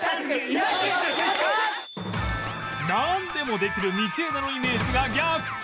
なんでもできる道枝のイメージが逆転